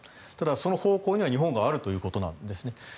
その方向に日本があるということなんですね。